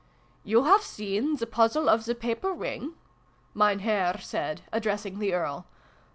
" You have seen the puzzle of the Paper Ring ?" Mein Herr said, addressing the Earl.